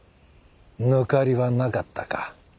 ぬかりはなかったか。